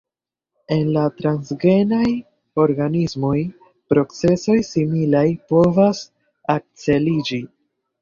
En la transgenaj organismoj procesoj similaj povas akceliĝi.